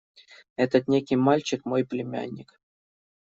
– Этот некий мальчик – мой племянник.